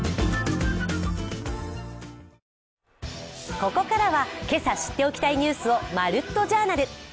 ここからは今朝知っておきたいニュースを「まるっと！Ｊｏｕｒｎａｌ」